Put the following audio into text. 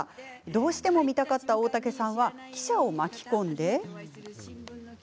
どうしても見たかった大竹さんは記者を巻き込んで。